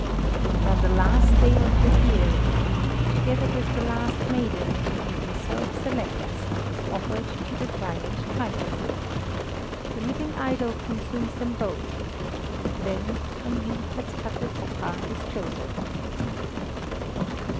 And on the last day of the year he, together with the last maiden, whom he himself selects, is offered to the giant Triton. The living idol consumes them both, and then a new Tetzkatlepoka is chosen.